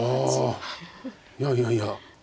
いやいやいや。